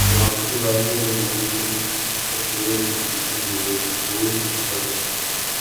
خلافتِ راشدہ کے زمانے میں اس اصول کو ہمیشہ ملحوظ رکھا گیا